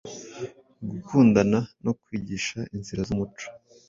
gukundana no kwigisha inzira zumuco